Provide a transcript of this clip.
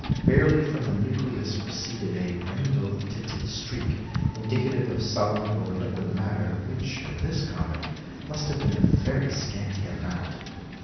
Barely from the nucleus proceeded a rainbow tinted streak, indicative of solid or liquid matter, which, in this comet, must have been of very scanty amount.